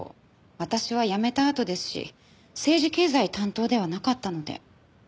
私は辞めたあとですし政治経済担当ではなかったので。